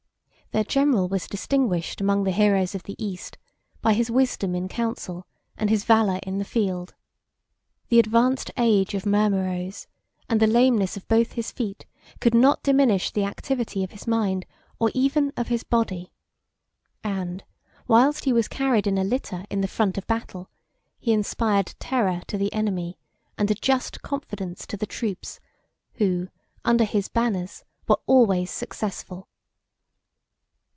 Their general was distinguished among the heroes of the East by his wisdom in council, and his valor in the field. The advanced age of Mermeroes, and the lameness of both his feet, could not diminish the activity of his mind, or even of his body; and, whilst he was carried in a litter in the front of battle, he inspired terror to the enemy, and a just confidence to the troops, who, under his banners, were always successful.